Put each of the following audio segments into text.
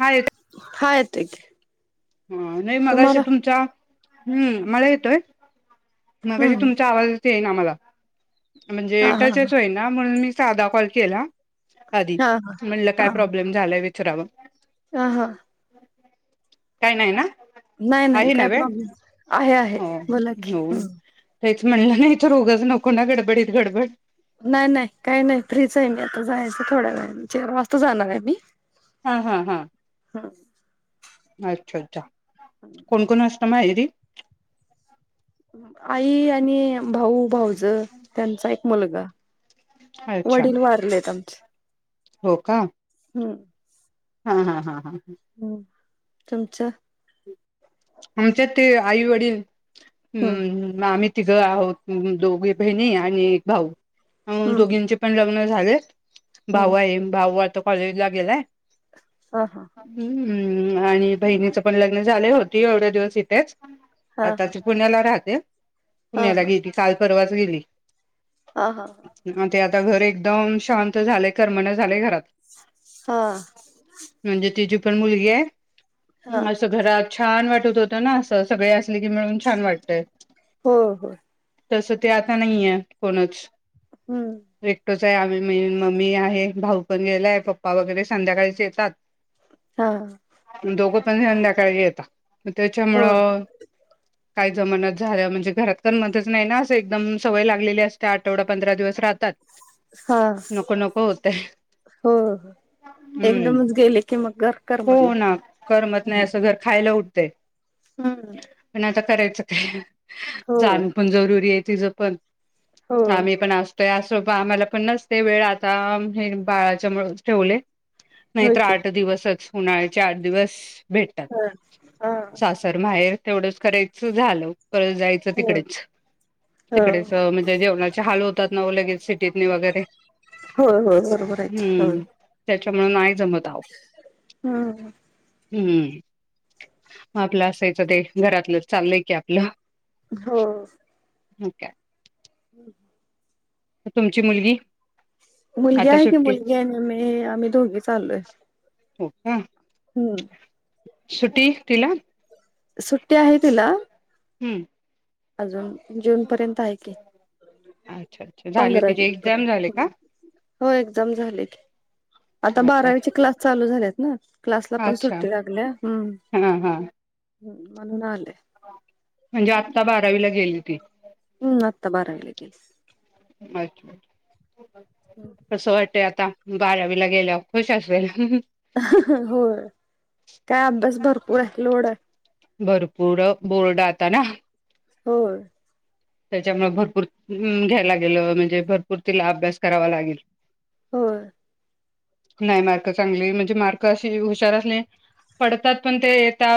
हायेत. हा येतोय की हा नाही मगाशी तुम्हाला तुमचा हम्म मला येतोय. हम्म मगाशी हम्म तुमचा आवाजच येईना मला, म्हणजे हा हा हा टचच होईना म्हणून मी साधा कॉल केला आधी, हा हा म्हणलं काय प्रॉब्लेम झालाय विचाराव हां हां काय नाही ना? नाही, नाही आहे काय नव्हे प्रॉब्लेम आहे, आहे बोला की त्येच म्हणलं नाही तर रोगच नको ना गडबडीत गडबड नाय नाय काय नाही फ्रीच आहे मी, आता जायचं थोड्या वेळाणे, चार वाजता जाणार आहे मी. हा, हा, हा हां अच्छा, अच्छा कोण -कोण असता माहेरी? आई आणि भाऊ भाऊज त्यांचा एक मुलगा अच्छा वडील वारलेत आमचे हो का हम् हा, हा, हा, हा, ह हम तुमचं? आमच्यात ते आई वडील हम्म म्म आम्ही तिघं आहोत. दोघी बहिणी आणि एक भाऊ, आम्ही हम्म दोघींचे पण लग्न झालयं भाऊ हम्म आहे, भाऊ आता कॉलेजला गेलाय. ह हा! हू आणि बहिणीचं पण लग्न झालं, होती एवढे दिवस इथेच हा आता हा ती पुण्याला राहते, हा पुण्याला गेली काल परवाच गेली. आ हा! अ ते आता घर एकदम शांत झालय करमनां झालय घरात. हां! म्हणजे तिची पण मुलगी आहे हा असं घरात छान वाटत होतं ना असं, सगळे असले की मिळून छान वाटतय. हो हो! तसं ते आता नाही हे कोणच. हू! एकटोच आहे आम्ही मी, मम्मी आहे, भाऊ पण गेलाय पप्पा वगैरे संध्याकाळीच येतात. [inaudible] हा! दोघं पण संध्याकाळी येता म हो त्याच्यामुळं. काही जमनां च झाल म्हणजे घरात करमतच नाही ना असं एकदम सवय लागलेली अस त्या आठवडा पंधरा दिवस राहतात हा नको, नको होतय. हो हो हू एकदमच गेले की मग घर करमत हो नाही. ना करमत नाही असं घर खायला उठतय. हू! पण आता करायचं काय, होय जाण पण जरुरी आहे तिचं पण. होय हा मी पण आस ते असोपा आम्हाला पण नसंते वेळ आता हे बाळाच्या मुळ ठेवले. होय नाहीतर की आठ दिवसच, उन्हाळ्याचे आठ दिवस भेटतात. हं हा! सासर माहेर तेवढंच करायचं झालं, पर जायचं होय तिकडेच हो तिकडेच. च म्हणजे जेवणाचे हाल होतात नावो लगेच सिटी तनी वगैरे. होय होय बरोबर आहेत हा! त्याच्यामुळं नाही जमत आवो. हू! हूं! आपलं असायचं ते घरातलंच, चाललंय की आपलं. हो! मग काय. [unintelligible] त तुमची मुलगी? मुलगी आता आहे की, सुट्टी मुलगी आनी मी आम्ही दोघी चाललोय. हं! हू! सुुटी तिला? सुट्टी आहे तिला. हूं! अजून जून पर्यंत आहे की. अच्छा अच्छा झाले पंधरा तिचे जून एक्झाम झाले पर्यंत का हो एक्झाम झाली. आता अच्छा बारावीचे क्लास चालू झालेत ना, क्लासला पण अच्छा सुट्टी लागल्या हू. हा हा. हम् म्हणून आले. म्हणजे आत्ता बारावीला गेली ती? हम्म आता बारावीला गेली. [unintelligible] हम्. कसं वाटतय आता बाारावीला गेल्याव? खुश असेल. होय काय अभ्यास भरपूर आहे, लोड आहे. भरपूर! बोर्ड आता ना? होय. त्याच्यामुळे भरपूर हुं घ्यायला गेलो, म्हणजे भरपूर तिला अभ्यास करावा लागेल. होय. नाही मार्क चांगली, म्हणजे मार्क अशी हुशारने पडतात पण ते आता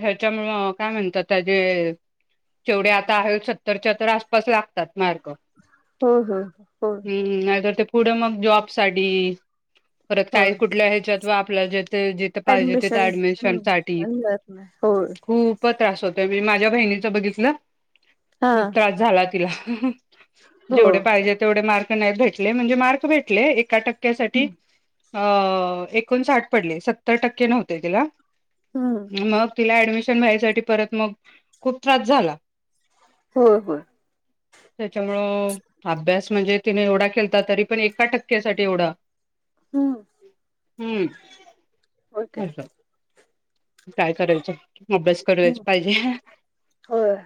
ह्याच्यामुंळ काय म्हणतात त्या जे जेवढे आता आहे, सत्तरच्या तर आसपास लागतात मार्क. होय होय होय. हू नाहीतर ते पुढे मग जॉब साठी, परत काही होय कुठल्या ह्याच्यात बा आपल्याला जेथ जिथं पाहिजे तिथ ऍडमिशन ऍडमिशन साठी हम्म जात नाही होय खूप प त्रास होतोय म्हणजे माझ्या बहिणीचं बघितलं हा खूप त्रास झाला तिला. हो जेवढे पाहिजे तेवढे मार्क नाही भेटले, म्हणजे मार्क भेटले, एका टक्क्यासाठी अ एकोण साठ पडले. सतर टक्के नव्हते तिला. हम्म मग तिला ऍडमिश मिशन व्हाय साठी परत मग खूप त्रास झाला. होय होय. त्याच्यामुळं अभ्यास म्हणजे तिने एवढा केलता, तरी पण एका टक्क्यासाठी एवढ हम्म. ओके हम्म असं, काय कयचं? अभ्यास करायच हम्म पाहिजे. होय.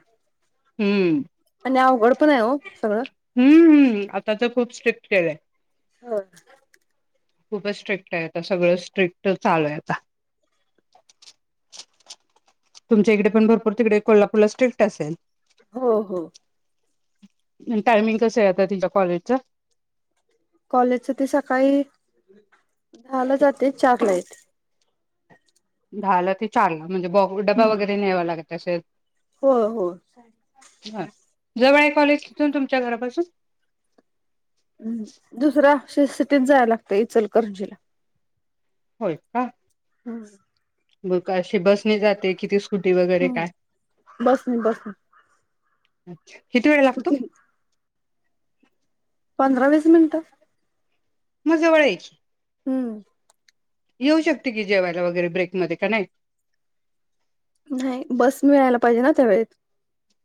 हम्म. आणि अवघड पण आहे हो सगळं. हम्म आता तर खूप स्ट्रिक्ट केलय. हो खूपच स्ट्रिक्ट आहे. आता सगळं स्ट्रिक्टच झालंय आता. तुमच्या इकडे पण भरपूर तिकडे कोल्हापूरला स्ट्रिक्ट असेल? हो हो. टायमिंग कस आहे आता तिच्या कॉलेजच? कॉलेजच ते सकाळी दहा ला जाते चार ला येते. दहा ला ते चारला, म्हणजे बा डबा हम्म वगैरे न्यावा लागत असेल? हो हो. [unintelligible] जवळ आहे कॉलेज तिथून तुमच्या घरापासून? ऊहू दुसरा [unintelligible] सिटीत जायला लागतय, इचलकरंजीला. होय का? हम् ब अशी बसनी जाते कि त हम् बसनी बसनी अच्छा किती वेळ लागतो. स्कुटीनी पंधरा वीस मिनिटं मग जवळ ये की. हम्म येऊ शकते की जेवायला वगैरे ब्रेकमध्ये का नाही. नाही बस मिळायला पाहिजे ना त्या वळेत.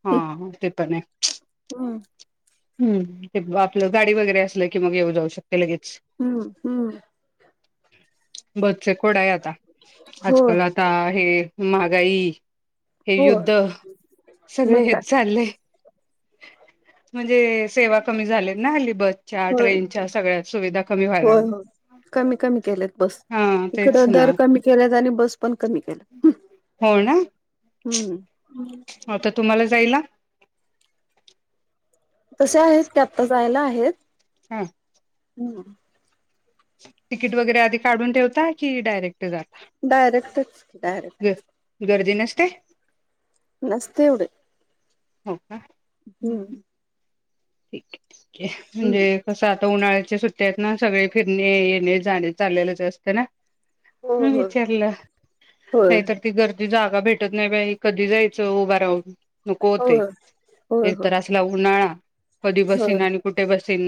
हा ते पण आहे. हम हम ते आपलं गाडी वगैरे असल की मग येऊ जाऊ शकते लगेच. हम्म हम्म बसचे कोड आहे आता हो आजकाल आता हे महागाई हे हो युद्ध मग सगळे काय हेचं चालले. म्हणजे सेवा कमी झाली ना हली बसच्या होय ट्रेनच्या सगळ्या सुविधा कमी व्हायला होय हो लागल्यात. कमी कमी केल्यात बस इकड ना दर कमी केल्यात आणि बस पण कमी केल्यात. हो ना हम्म हो तर तुम्हाला जाईला. तसे आहेत कीं आता जायला आहेत. हा हम्म तिकीट वगैरे आधी काढून ठेवता की डायरेक्ट जाता. डायरेक्टच डायरेक्टच गर्दी नसते नसते एवढे हो का हम्म ठीक ये ठीक ये हम्म म्हणजे तसं आता उन्हाळ्याच्या सुट्ट्या आहेत ना सगळे फिरणे येणे जाणे चाललेलंच असतं ना. हो ह हो विचारलं होय नाहीतर ती गर्दी जागा भेट वाटत नाही बा कधी जायचं उभा राहून नको होते होय होय होय एकतर असला उन्हाळा कधी होय बसीन आणि कुठे बसीन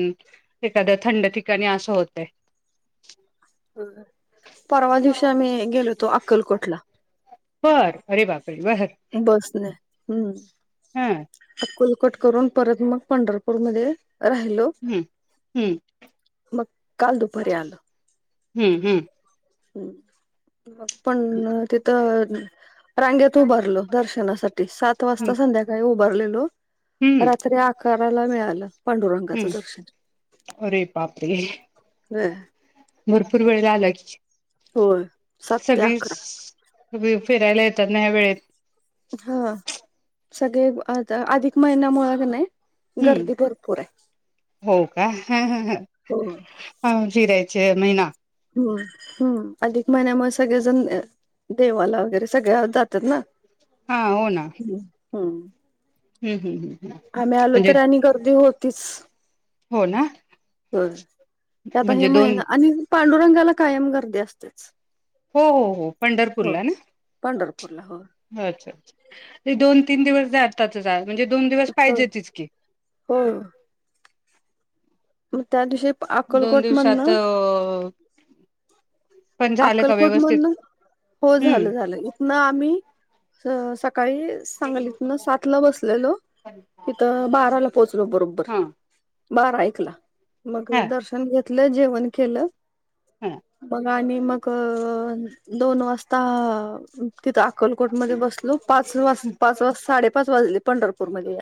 एखाद्या थंड ठिकाणी असं होतय. परवा दिवशी आम्ही गेलो होतो अक्कलकोटला बर अरे बापरे बर बसने हम्म हा अक्कलकोट करून परत मग पंढरपूर मध्ये राहिलो. हम्म हम्म मग काल दुपारी आलं. हम्म हम्म ह् मग पण अ तिथं रांगेत उभारलो दर्शनासाठी सात वाजता संध्याकाळी उभारलेलो हम्म रात्री अकराला मिळालं. पांडुरंगाचं हम्म दर्शन अरे बापरे होय भरपूर वेळ लागला की होय सात ते सगळीच अकरा फिरायला येतात ना हया वेळेत. हा सगळे आता अधिक महिन्यामुळ का नाय. हम्म हो का हू हू हू हो हा जीरायचे महिना. हम्म हम्. अधिक महिन्यामुळे सगळेजण देवाला वगैरे सगळ्या जातात ना. हा होना. ह. हम्. हम् हम् हम् हम. आम्ही आलो तर आणि गर्दी होतीच. हो ना होय. आता हे म्हणजे दोन महिना आणि पांडुरंगाला कायम गर्दी असत्याच. हो हो हो. पंढरपूरला ना. पंढरपूरला हो. अच्छा! अच्छा! दोन-तीन दिवस जातातच म्हणजे दोन दिवस हो पाहिजे तच की. हो. मग त्या दिवशी दोन अकलकोट दिवसात मधन अ, पण झालं का अक्कलकोट व्यवस्थित मधन हो झालं हम्म झालं. इथन आम्ही सकाळी सांगली त ना सात ला बसलेलो तिथं बाराला पोहोचलो बरोबर. हा बारा ऐकला मग हा दर्शन घेतलं जेवण केलं. हा मग आणि मग दोन वाजता तिथं अकलकोट मध्ये बसलो पाच वाज पाच वाज साडेपाच वाजले. पंढरपूरमध्ये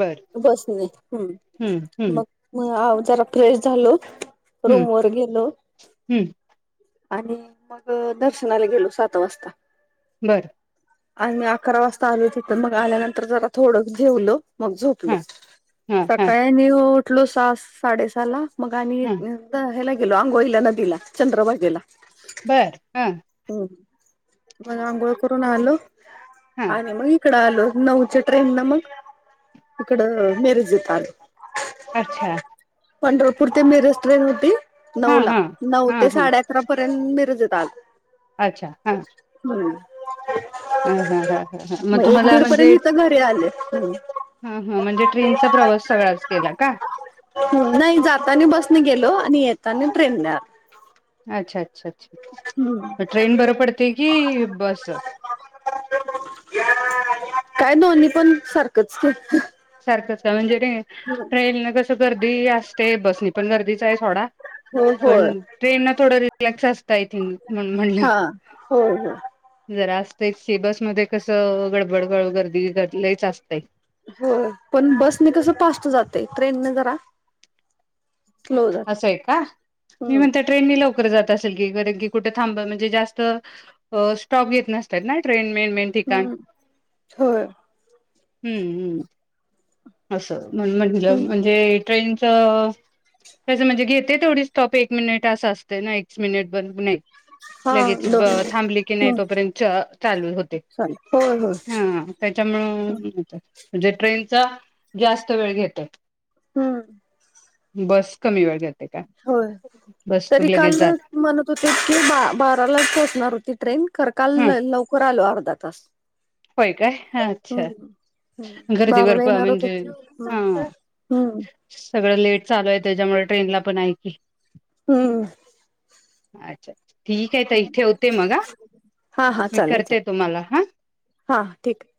बर बसणे. हम. हम्म हम्म मग जरा फ्रेश झालो रूम हम्म वर गेलो. हम्म. आणि मग दर्शनाला गेलो सात वाजता. बरं. आणि मी अकरा वाजता आलो हो तिथं मग आल्यानंतर जरा थोडं ठेवलं. मग झोपलो. हां हां हां सकाळी आणि उठलो सहा साडेसहा ला मग आणि हां हेला गेलो आंघोळीला नदीला. चंद्र भागेला. बरं. हां. हम्. मग आंघोळ करून आलो हां आणि मग इकड आलो नऊच्या ट्रेन न मग इकड मीरजेत आलो. अच्छा पंढरपूर ते मिरज ट्रेन होती हां नऊ ला. हां नऊ हां हां अकरापर्यंत मिरजत आलो. अच्छा! हा. हम्म. हा हा ह ह ह. मग तुम्हाला म्हणजे? हम्. हा हा. म्हणजे ट्रेनचा प्रवास सगळाच केला का? नाही जातानी बसने गेलो आणि येताना ट्रेनने. अच्छा अच्छा अच्छा्छ! ट्रेन बरं पडते कि बस? काय दोन्ही पण सारखंच ते. सारखं म्हणजे टे ट्रेन न कसं गर्दी अस ते बसणी पण गर्दीचा आहे सोडा हो पण होय ट्रेन ना थोडं रिलॅक्स असतं आय थिंक. म्हणून म्हणलं. हा हो हो जरा असत की बसमध्ये कसं गडबडगड गर्दी लईच असतय. हो‌. पण बसने कसं फस्ट जाते. ट्रेनने जरा स्लो जाते असंय का? मी हम्म म्हणते ट्रेननी लवकर जात असेल की कारणकी कुठ थांब म्हणजे जास्त हो स्टॉप घेत नसत्यात नाय, ट्रेन मेन, मेन हा, होय. हं, हं, असं म्हणून म्हटलं, हम्म म्हणजे ट्रेनच तेच म्हणजे, घेतय थोडी स्टॉप एक मिनिट असं असतय ना, [unintelligible] हा लगेच ब दोन थांबली की नाही, हम्म तोपर्यंत चालू होते. चालेल होय होय हा. त्यांच्यामुळ, म्हणजे ट्रेनच जास्त वेळ घेत. हं. बस कमी वेळ जात होय, तरी काल ना जात म्हणत होते की, बा बारालाच पोचणार होती ट्रेन, खर काल हा लवकर आलो अर्धा तास. होय काय? अच्छा. हम्म हम्म गर्दीवर बाराला प येणारच म्हणजे, होती हम्म हा. हम्म सगळं लेट चालू आहे, त्याज्यामुळ ट्रेनला पण आहे की. हूं. अच्छा, ठीक आहे ताई ठेवते मग, हा हा हा मी चालेल करते चालेल तुम्हाला हा. हा, ठीक आहे.